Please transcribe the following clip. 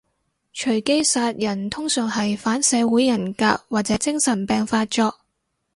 隨機殺人通常係反社會人格或者精神病發作